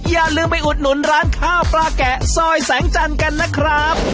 อย่าลืมไปอุดหนุนร้านข้าวปลาแกะซอยแสงจันทร์กันนะครับ